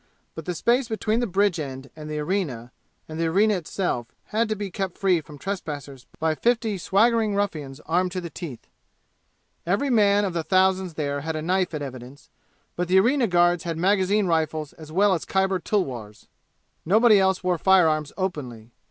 But the space between the bridge end and the arena, and the arena itself, had to be kept free from trespassers by fifty swaggering ruffians armed to the teeth. Every man of the thousands there had a knife in evidence, but the arena guards had magazine rifles well as Khyber tulwars. Nobody else wore firearms openly.